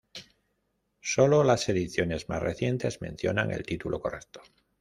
Sólo las ediciones más recientes mencionan el título correcto.